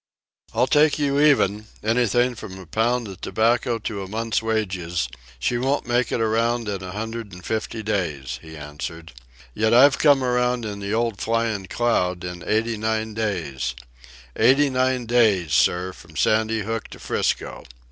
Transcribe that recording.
"I'll take you even, anything from a pound of tobacco to a month's wages, she won't make it around in a hundred an' fifty days," he answered. "Yet I've come round in the old Flyin' Cloud in eighty nine days—eighty nine days, sir, from Sandy Hook to 'Frisco.